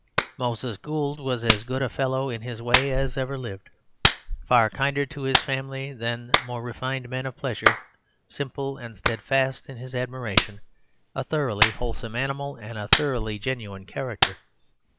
Moses Gould was as good a fellow in his way as ever lived; far kinder to his family than more refined men of pleasure, simple and steadfast in his admiration, a thoroughly wholesome animal and a thoroughly genuine character.